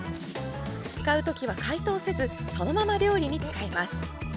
使う時は、解凍せずそのまま料理に使えます。